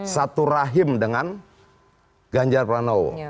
satu rahim dengan ganjar pranowo